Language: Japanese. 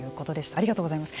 ありがとうございます。